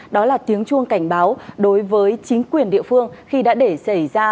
đó là tiếng chuông cảnh báo đối với chính quyền địa phương khi đã để xảy ra